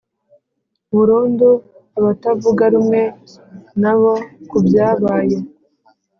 burundu abatavuga rumwe na bo ku byabaye.